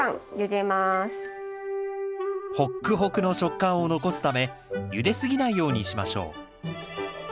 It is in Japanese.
ホックホクの食感を残すためゆですぎないようにしましょう。